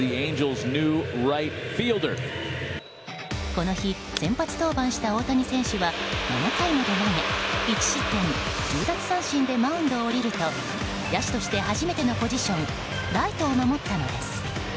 この日、先発登板した大谷選手は７回まで投げ１失点１０奪三振でマウンドを降りると野手として初めてのポジションライトを守ったのです。